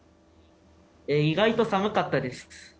意外と寒かったです。